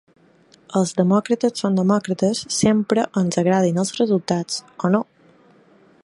Els demòcrates són demòcrates sempre, ens agradin els resultats o no.